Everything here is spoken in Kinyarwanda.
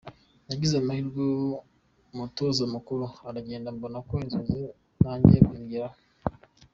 Nagize amahirwe umutoza mukuru aragenda mbona ko za nzozi ntangiye kuzigeraho.